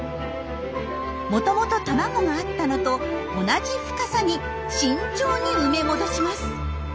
もともと卵があったのと同じ深さに慎重に埋め戻します。